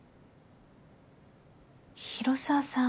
広沢さん